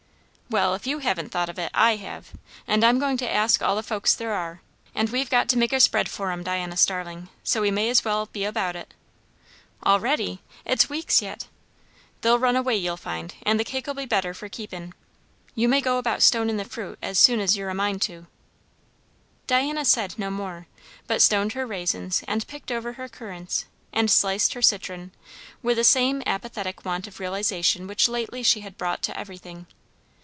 "Well, if you haven't thought of it, I have; and I'm going to ask all the folks there are; and we've got to make a spread for 'em, Diana Starling, so we may as well be about it." "Already!" said Diana. "It's weeks yet." "They'll run away, you'll find; and the cake'll be better for keepin'. You may go about stonin' the fruit as soon as you're a mind to." Diana said no more, but stoned her raisins and picked over her currants and sliced her citron, with the same apathetic want of realization which lately she had brought to everything.